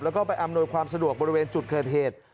แล้วก็ไปอำนวยความสะดวกบริเวณจุดเกิดเหตุ